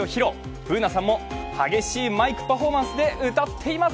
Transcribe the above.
Ｂｏｏｎａさんも激しいマイクパフォーマンスで歌っています！